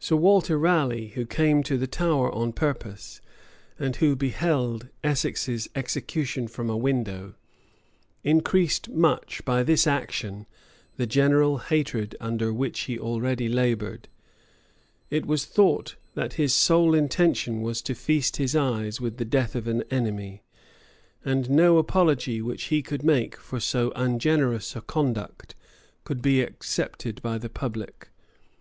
534 Sir Walter Raleigh, who came to the Tower on purpose, and who beheld Essex's execution from a window, increased much by this action the general hatred under which he already labored: it was thought, that his sole intention was to feast his eyes with the death of an enemy; and no apology which he could make for so ungenerous a conduct could be accepted by the public.